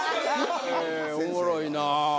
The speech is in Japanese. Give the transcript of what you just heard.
おもろいなぁ。